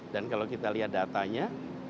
dan kalau kita lihat datanya